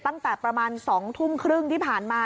ตั้งแต่ประมาณ๒ทุ่มครึ่งที่ผ่านมา